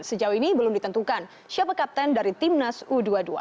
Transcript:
sejauh ini belum ditentukan siapa kapten dari timnas u dua puluh dua